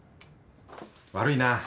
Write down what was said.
悪いな。